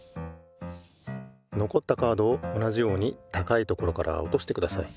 のこったカードを同じようにたかいところからおとしてください。